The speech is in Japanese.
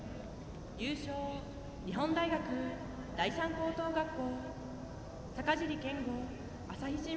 優勝、日本大学第三高等学校。